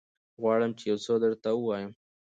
غواړم چې يوڅه درته ووايم.